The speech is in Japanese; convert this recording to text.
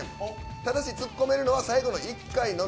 ただしツッコめるのは最後の１回のみ。